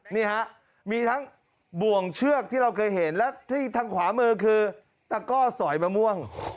นี่ฮะมีทั้งบ่วงเชือกที่เราเคยเห็นและที่ทางขวามือคือตะก้อสอยมะม่วง